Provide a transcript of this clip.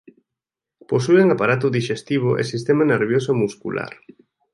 Posúen aparato dixestivo e sistema nervioso e muscular.